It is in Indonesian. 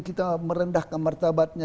kita merendahkan martabatnya